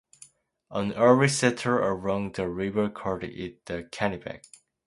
An early settler along the river called it the Kenebec.